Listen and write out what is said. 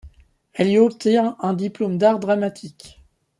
Elle y obtient un diplôme d'art dramatique.